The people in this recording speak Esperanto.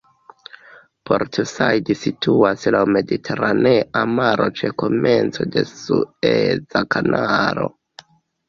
Port Said situas laŭ Mediteranea Maro ĉe komenco de Sueza Kanalo.